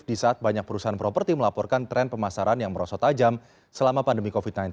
di saat banyak perusahaan properti melaporkan tren pemasaran yang merosot tajam selama pandemi covid sembilan belas